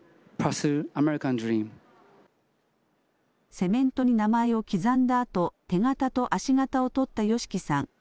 セメントに名前を刻んだあと手形と足形を取ったＹＯＳＨＩＫＩさん。